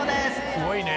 すごいね。